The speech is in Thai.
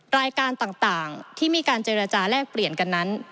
รายการต่างที่มีการเจรจาแลกเปลี่ยนกันนั้น